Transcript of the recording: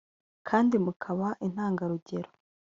kandi mukaba intangarugero